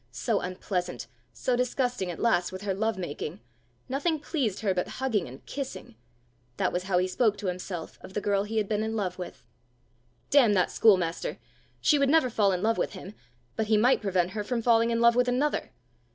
So unpleasant so disgusting at last with her love making! Nothing pleased her but hugging and kissing! That was how he spoke to himself of the girl he had been in love with! Damn that schoolmaster! She would never fall in love with him, but he might prevent her from falling in love with another!